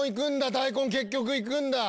大根結局いくんだ！